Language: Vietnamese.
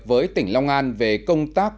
với tỉnh long an về công tác